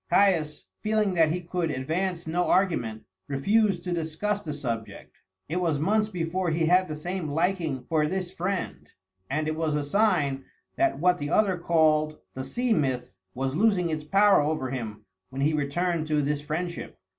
Caius, feeling that he could advance no argument, refused to discuss the subject; it was months before he had the same liking for this friend, and it was a sign that what the other called "the sea myth" was losing its power over him when he returned to this friendship.